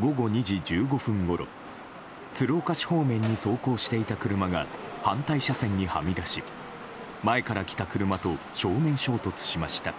午後２時１５分ごろ鶴岡市方面に走行していた車が反対車線にはみ出し前から来た車と正面衝突しました。